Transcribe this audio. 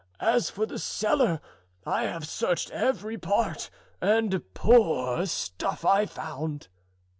As for the cellar, I have searched every part and poor stuff I found."